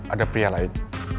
ada pria lain